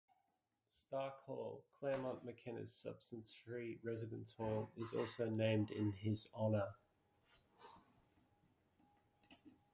Stark Hall, Claremont McKenna's substance-free residence hall, is also named in his honor.